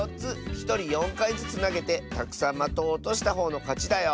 ひとり４かいずつなげてたくさんまとをおとしたほうのかちだよ！